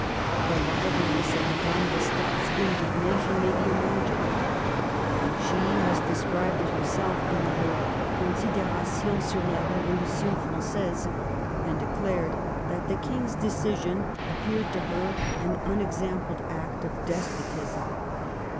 The live liness of Madame de Stael's indignation may be imagined. She has described it herself in her Considerations sur la Revolution Frangaise, and declared that the Kings decision appeared to her an unexampled act of despotism.